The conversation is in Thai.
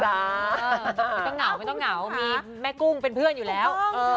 ไม่ต้องเหงามีแม่กุ้งเป็นเพื่อนอยู่แล้ว